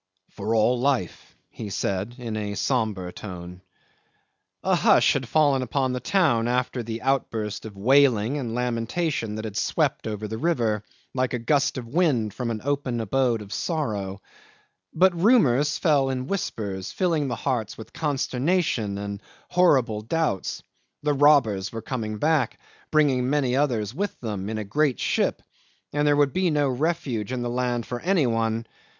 "For all life," he said, in a sombre tone. 'A hush had fallen upon the town after the outburst of wailing and lamentation that had swept over the river, like a gust of wind from the opened abode of sorrow. But rumours flew in whispers, filling the hearts with consternation and horrible doubts. The robbers were coming back, bringing many others with them, in a great ship, and there would be no refuge in the land for any one.